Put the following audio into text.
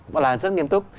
và làm rất nghiêm túc